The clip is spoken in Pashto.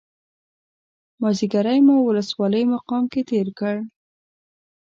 مازیګری مو ولسوالۍ مقام کې تېر کړ.